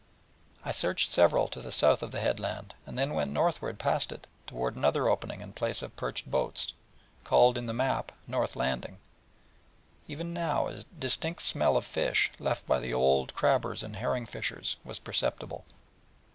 I searched several to the south of the headland, and then went northward past it toward another opening and place of perched boats, called in the map North Landing: where, even now, a distinct smell of fish, left by the old crabbers and herring fishers, was perceptible.